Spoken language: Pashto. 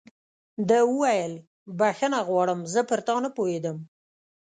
ده وویل: بخښنه غواړم، زه پر تا نه پوهېدم.